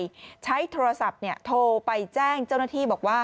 ตัดสินใจใช้โทรศัพท์เนี่ยโทรไปแจ้งเจ้าหน้าที่บอกว่า